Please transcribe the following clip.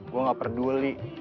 gue gak peduli